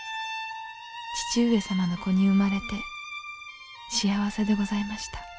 父上様の子に生まれて幸せでございました」。